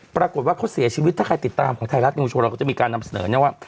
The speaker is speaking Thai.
ปรากฏว่าเขาเสียชีวิตถ้าใครติดตามของไทยรัฐนิวโชว์เราก็จะมีการนำเสนอเนี่ยว่า